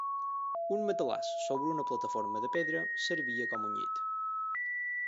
Un matalàs sobre una plataforma de pedra servia com un llit.